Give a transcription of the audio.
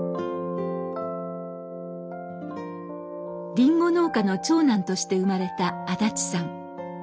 リンゴ農家の長男として生まれた安達さん。